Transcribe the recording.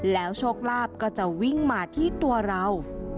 แล้วโชคลาภก็จะวิ่งมาที่ตัวเรา